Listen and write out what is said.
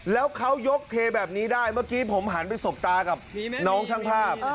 แล้วเขายกเทแบบนี้ได้เมื่อกี้ผมหันไปสบตากับน้องช่างภาพ